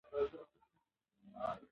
ماشومان د ښوونځي له ملګرو سره لوبې کوي